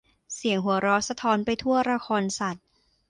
เสียงหัวเราะสะท้อนไปทั่วละครสัตว์